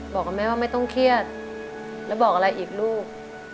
บอกกับแม่ว่าไม่ต้องเครียดแล้วบอกอะไรอีกลูก